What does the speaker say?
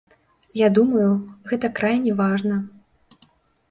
Я думаю, гэта крайне важна.